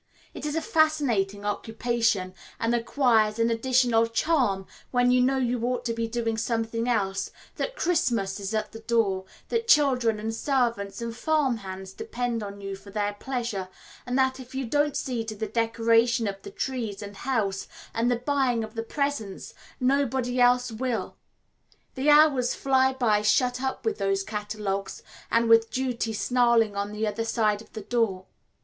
It is a fascinating occupation, and acquires an additional charm when you know you ought to be doing something else, that Christmas is at the door, that children and servants and farm hands depend on you for their pleasure, and that, if you don't see to the decoration of the trees and house, and the buying of the presents, nobody else will. The hours fly by shut up with those catalogues and with Duty snarling on the other side of the door.